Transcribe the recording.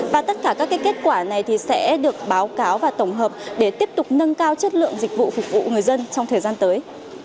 và tất cả các kết quả này sẽ được báo cáo và tổng hợp để tiếp tục nâng cao chất lượng dịch vụ phục vụ người dân trong thời gian tới